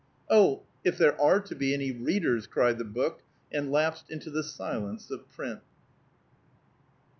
"Oh, if there are to be any readers!" cried the book, and lapsed into the silence of print.